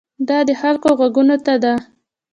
دا د خلکو غوږونو ته ده.